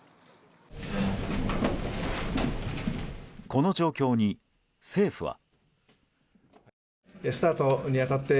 この状況に、政府は。